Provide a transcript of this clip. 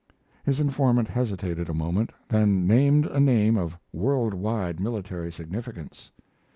His informant hesitated a moment, then named a name of world wide military significance.